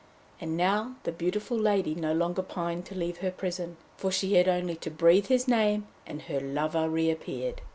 And now the beautiful lady no longer pined to leave her prison, for she had only to breathe his name, and her lover reappeared.